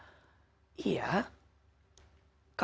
kalau tidak ada harap tapi dia takut itu pasti perlu dipertanyakan